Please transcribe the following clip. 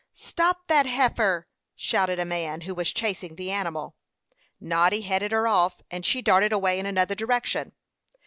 "Stop that heifer!" shouted a man, who was chasing the animal. Noddy headed her off, and she darted away in another direction.